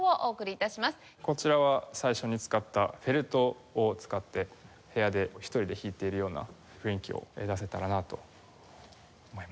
こちらは最初に使ったフェルトを使って部屋で一人で弾いているような雰囲気を出せたらなと思います。